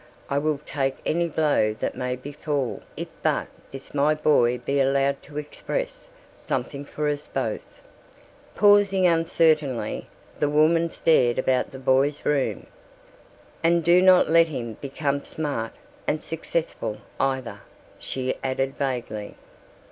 I will take any blow that may befall if but this my boy be allowed to express something for us both." Pausing uncertainly, the woman stared about the boy's room. "And do not let him become smart and successful either," she added vaguely.